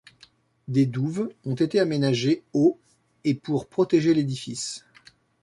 Des douves ont été aménagées au et pour protéger l'édifice.